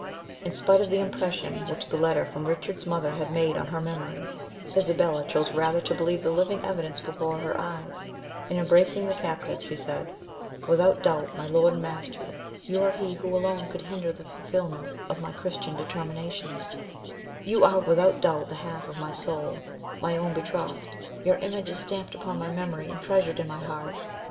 In spite of the impression which the letter from Richard's mother had made on her memory, Isabella chose rather to believe the living evidence before her eyes; and embracing the captive, she said, "Without doubt, my lord and master, you are he who alone could hinder the fulfilment of my Christian determination; you are without doubt the half of my soul; my own betrothed! your image is stamped upon my memory, and treasured in my heart.